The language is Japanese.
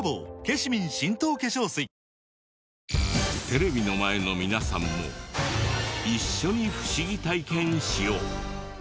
「ＮＯＮＩＯ」テレビの前の皆さんも一緒に不思議体験しよう。